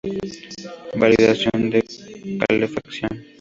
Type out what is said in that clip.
Validación de calefacción.